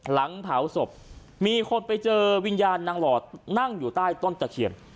หลังเผาศพมีคนไปเจอวิญญาณนางหลอดนั่งอยู่ใต้ต้นตะเคียน